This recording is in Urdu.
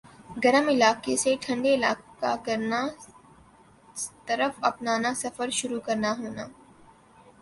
گرم علاقہ سے ٹھنڈے علاقہ کرنا طرف اپنانا سفر شروع کرنا ہونا